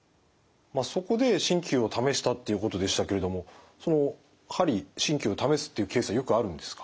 まあそこで鍼灸を試したっていうことでしたけれども鍼鍼灸を試すっていうケースはよくあるんですか？